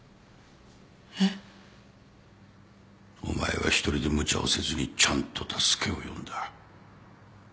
お前は１人で無茶をせずにちゃんと助けを呼んだ。